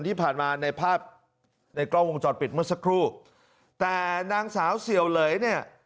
ที่ผ่านมาในภาพในกล้องวงจรปิดเมื่อสักครู่แต่นางสาวเสี่ยวเหลยเนี่ย